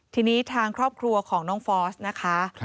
ทีนี้ทางครอบครัวของน้องฟอสนะคะ